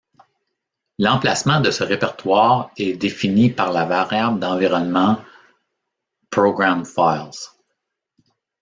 L'emplacement de ce répertoire est défini par la variable d'environnement %ProgramFiles%.